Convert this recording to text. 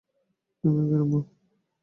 তুমি আগে নামো।